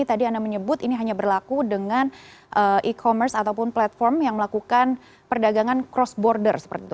tadi anda menyebut ini hanya berlaku dengan e commerce ataupun platform yang melakukan perdagangan cross border seperti itu